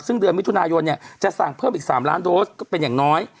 ซึ่งเดือนมิถุนายนจะสั่งเพิ่มอีก๓ล้านโดสก็เป็นอย่างน้อย